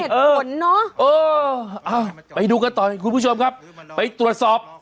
เออเออไปดูกันต่อคุณผู้ชมครับไปตรวจสอบ